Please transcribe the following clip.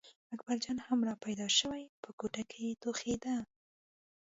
اکبرجان هم را پیدا شوی و په کوټه کې ټوخېده.